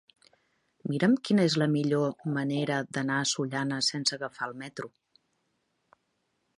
Mira'm quina és la millor manera d'anar a Sollana sense agafar el metro.